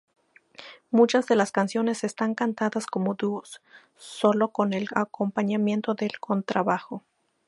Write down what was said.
Muchas de las canciones están cantadas como dúos, solo con el acompañamiento del contrabajo.